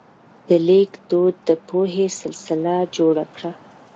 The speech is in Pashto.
د لیک دود د پوهې سلسله جوړه کړه.